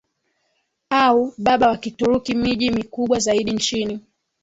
au baba wa Kituruki Miji mikubwa zaidi nchini